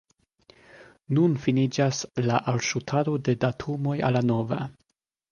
Nun finiĝas la alŝutado de datumoj al la nova.